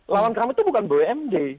lawan kami tuh bukan bmd